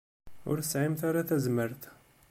Ur tesɛimt ara tazmert.